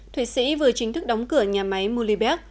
thuế sĩ vừa chính thức đóng cửa nhà máy mulibek